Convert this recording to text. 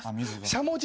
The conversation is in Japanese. しゃもじ